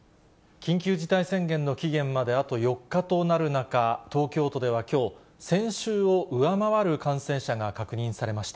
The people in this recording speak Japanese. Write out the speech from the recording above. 緊急事態宣言の期限まであと４日となる中、東京都ではきょう、先週を上回る感染者が確認されました。